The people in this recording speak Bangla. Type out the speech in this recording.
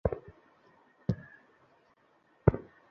ভাবতে হবে, তাকে ছেড়ে দিলে চলবে না।